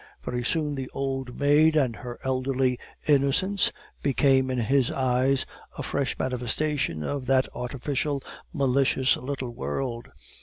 Very soon the old maid and her elderly innocence became, in his eyes, a fresh manifestation of that artificial, malicious little world.